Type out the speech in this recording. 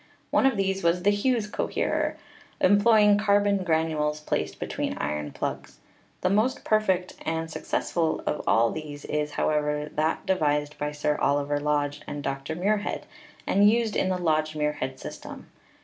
One of these was the Hughes coherer, employing carbon granules placed between iron plugs. The most perfect and suc cessful of all these is, however, that devised by Sir Oliver Lodge and Dr. Muirhead, and used in the Lodge Muirhead system.